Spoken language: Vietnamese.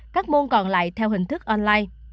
các môn còn lại theo hình thức online